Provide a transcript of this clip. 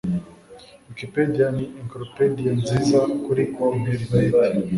wikipedia ni encyclopedia nziza kuri enterineti